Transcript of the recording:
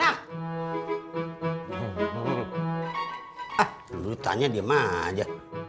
ah lu tanya diem aja